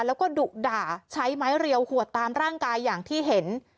แล้วก็ดุด่าใช้ไม้เรียวขวดตามร่างกายอย่างที่เห็น